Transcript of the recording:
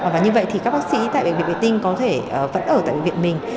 và như vậy thì các bác sĩ tại bệnh viện vệ tinh vẫn ở tại bệnh viện mình